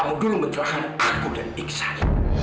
seperti kamu dulu mencelakakan aku dan iksan